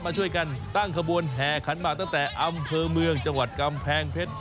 มาช่วยกันตั้งขบวนแห่ขันหมากตั้งแต่อำเภอเมืองจังหวัดกำแพงเพชร